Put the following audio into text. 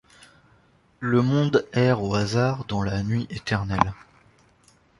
Le monde erre au hasard dans la nuit éternelle